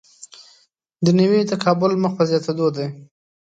دنیوي تقابل مخ په زیاتېدو وي.